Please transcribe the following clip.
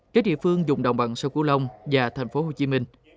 các địa phương dùng đồng bằng sâu cửu long và thành phố hồ chí minh